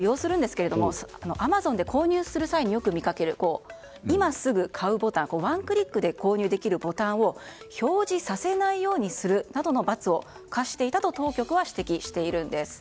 また、これは私もよく利用するんですがアマゾンで購入する際によく見かける今すぐ買うボタンワンクリックで購入できるボタンを表示させないようにするなどの罰を科していたと当局は指摘しているんです。